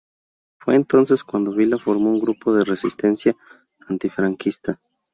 Fue entonces cuando Vila formó un grupo de resistencia antifranquista.